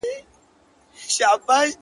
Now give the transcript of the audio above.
میخانه ده نړېدلې تش له میو ډک خُمونه٫